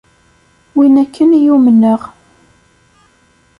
Win akken i yumneɣ.